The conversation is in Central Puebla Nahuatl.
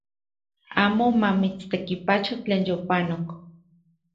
Amo mamitstekipacho tlen yopanok